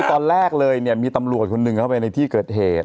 ตอนแรกเลยเนี่ยมีตำรวจคนหนึ่งเข้าไปในที่เกิดเหตุ